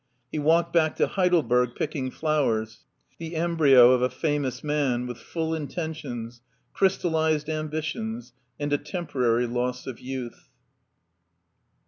He walked back to Heidelberg picking flowers, the embryo of a famous man, with full intuitions, crystallized ambitions, and a temporary loss of youth.